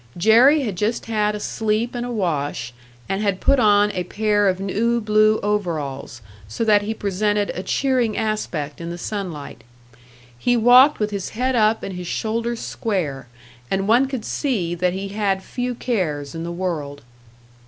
Jerry had just had a sleep and a wash, and had put on a pair of new blue overalls, so that he presented a cheering aspect in the sunlight. He walked with his head up and his shoulders square, and one could see that he had few cares in the world.